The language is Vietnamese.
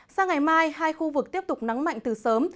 sang ngày mai hai khu vực tiếp tục nắng mạnh từ sớm